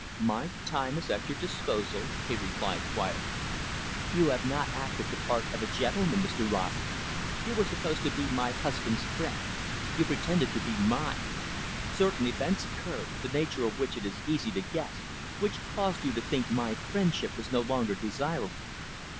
"My time is at your disposal," he replied quietly. "You have not acted the part of a gentleman, Mr Rossett. You were supposed to be my husband's friend; you pretended to be mine. Certain events occurred, the nature of which it is easy to guess, which caused you to think my friendship was no longer desirable.